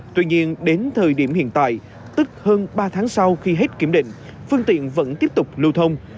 tuy nhiên đến thời điểm hiện tại tức hơn ba tháng sau khi hết kiểm định phương tiện vẫn tiếp tục lưu thông